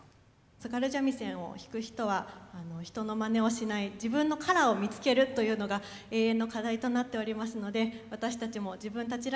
津軽三味線を弾く人は人のまねをしない自分のカラーを見つけるというのが永遠の課題となっておりますので私たちも自分たちらしい